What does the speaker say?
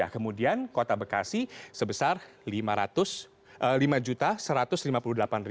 kemudian kota bekasi sebesar rp lima satu ratus lima puluh delapan